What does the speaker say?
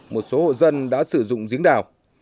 một số hộ dân đã sử dụng giếng đào